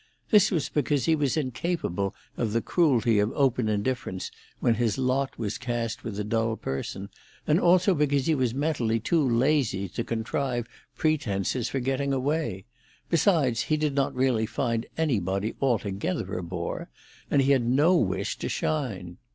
This was because he was incapable of the cruelty of open indifference when his lot was cast with a dull person, and also because he was mentally too lazy to contrive pretences for getting away; besides he did not really find anybody altogether a bore, and he had no wish to shine.